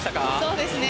そうですね。